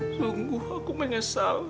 sungguh aku menyesal